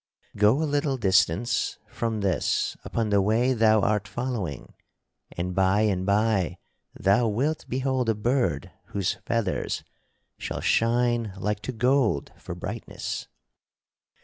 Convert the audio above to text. Go a little distance from this upon the way thou art following and by and by thou wilt behold a bird whose feathers shall shine like to gold for brightness.